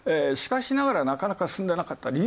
しかしながら、なかなか進んでなかった。